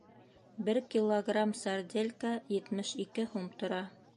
Бер килограмм сарделька етмеш ике һум тора.